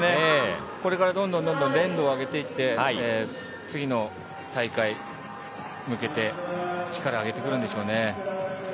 これからどんどん錬度を上げていって次の大会に向けて力を上げてくるんでしょうね。